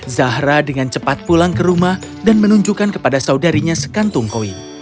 zahra dengan cepat pulang ke rumah dan menunjukkan kepada saudarinya sekantung koin